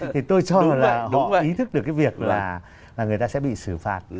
thì tôi cho là họ ý thức được cái việc là người ta sẽ bị xử phạt